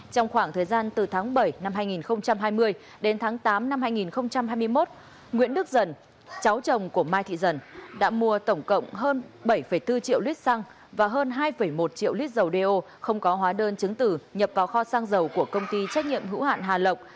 trong khoảng thời gian từ tháng bảy năm hai nghìn hai mươi đến tháng tám năm hai nghìn hai mươi một nguyễn đức dần cháu chồng của mai thị dần đã mua tổng cộng hơn bảy bốn triệu lít xăng và hơn hai một triệu lít dầu đeo không có hóa đơn chứng tử nhập vào kho xăng dầu của công ty trách nhiệm hữu hạn hà lộc